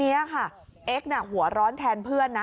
เอ็กซ์หัวร้อนแทนเพื่อนนะ